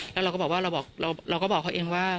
แล้วเราก็บอกว่าเราก็บอกเขาเองว่า